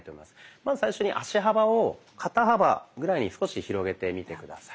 まず最初に足幅を肩幅ぐらいに少し広げてみて下さい。